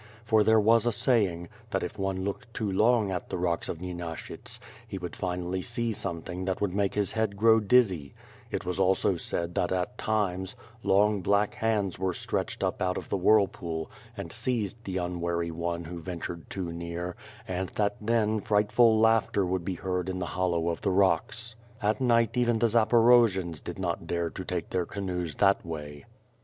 For there was a saying, that if one looked too long at the rocks of Nyenashyts, he would finally see something that would make his head grow dizzy; it was also said that at times, long black hands were stretched up out of the whirl pool, and seized the unwary one who ventured too near, and that then, frightful laughter would be heard in the hollow of the rocks. At night even the Zaporojians did not dare to take their canoes that way.